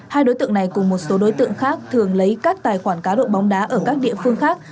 hai đối tượng này cùng một số đối tượng khác thường lấy các tài khoản cá độ bóng đá ở các địa phương khác